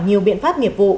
nhiều biện pháp nghiệp vụ